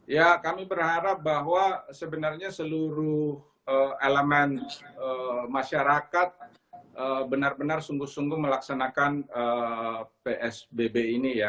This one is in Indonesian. ya kami berharap bahwa sebenarnya seluruh elemen masyarakat benar benar sungguh sungguh melaksanakan psbb ini ya